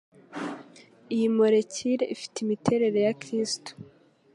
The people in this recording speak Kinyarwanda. Iyi molekile ifite imiterere ya kristu.